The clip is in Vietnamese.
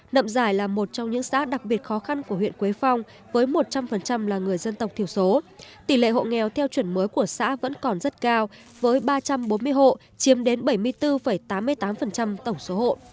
nậm giải là một trong những xã đặc biệt khó khăn của huyện quế phong với một trăm linh là người dân tộc thiểu số tỷ lệ hộ nghèo theo chuẩn mới của xã vẫn còn rất cao với ba trăm bốn mươi hộ chiếm đến bảy mươi bốn tám mươi tám tổng số hộ